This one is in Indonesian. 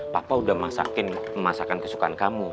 papa udah masakin masakan kesukaan kamu